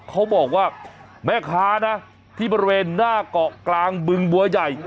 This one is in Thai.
เขาบอกว่าแม่ค้านะที่บริเวณหน้าเกาะกลางบึงบัวใหญ่